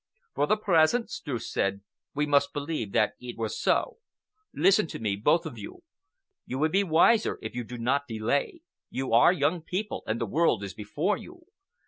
"For the present," Streuss said, "we must believe that it was so. Listen to me, both of you. You will be wiser if you do not delay. You are young people, and the world is before you.